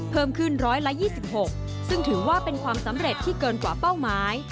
เพิ่มขึ้น๑๒๖ซึ่งถือว่าเป็นความสำเร็จที่เกินกว่าเป้าหมาย